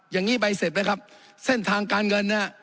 อย่างนี้ใบเสร็จนะครับเส้นทางการเงินนะฮะ